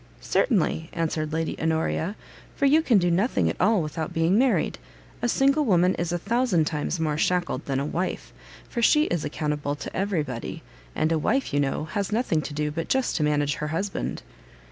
"Certainly," answered Lady Honoria, "for you can do nothing at all without being married; a single woman is a thousand times more shackled than a wife; for she is accountable to every body; and a wife, you know, has nothing to do but just to manage her husband."